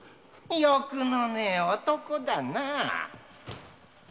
欲のねえ男だな。